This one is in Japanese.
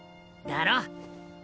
だろ？